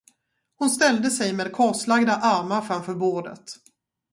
Hon ställde sig med korslagda armar framför bordet.